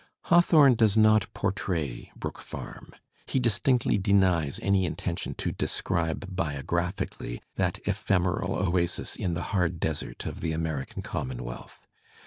Hawthorne does not portray Brook Farm; he distinctly denies any intention to describe biographically that ephemeral oasis in the hard desert of the American commonwealth.